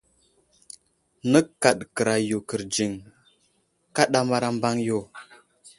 Nəkaɗ kəra yo kərdziŋ ,kaɗamar a mbaŋ yo.